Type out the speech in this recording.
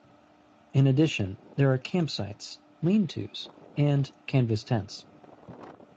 In addition there are campsites, lean-tos, and canvas tents.